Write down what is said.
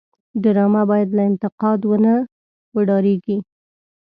ډرامه باید له انتقاد ونه وډاريږي